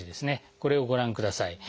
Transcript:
これをご覧ください。